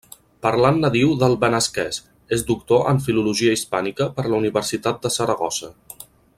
Parlant nadiu del benasquès, és doctor en Filologia Hispànica per la Universitat de Saragossa.